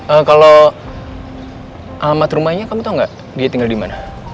eh kalo alamat rumahnya kamu tau gak dia tinggal dimana